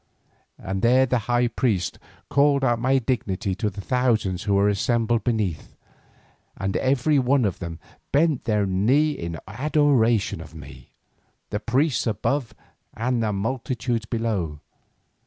And there the high priest called out my dignity to the thousands who were assembled beneath, and every one of them bent the knee in adoration of me, the priests above and the multitudes below.